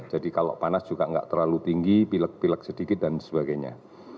jadi kalau panas juga enggak terlalu tinggi pilek pilek sedikit dan sebagainya